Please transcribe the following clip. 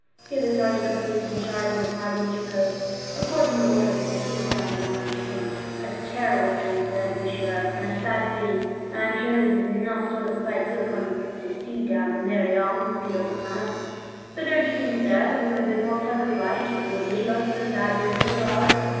Here the sergeant of police in charge of the party interposed, according to orders, which he himself did not understand. "A terrible thing, sir, to be sure, and a sad pity; and I am sure this is not the sort of sight you have come to see down in Meirion this beautiful summer. So don't you think, sir, that it would be more pleasant like, if you would leave us to this sad business of ours?